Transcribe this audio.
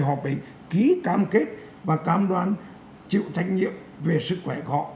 họ phải ký cam kết và cam đoan chịu trách nhiệm về sức khỏe của họ